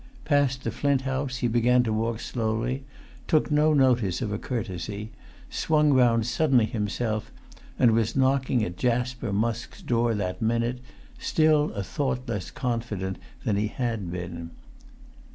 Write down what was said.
Past the Flint House he began to walk slowly, took no notice of a courtesy, swung round suddenly himself, and was knocking at Jasper Musk's door that minute, still a thought less confident than he had been.